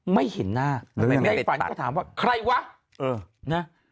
ไม่เห็นหน้าไม่ได้ฝันแล้วก็ถามว่าใครวะเออนะ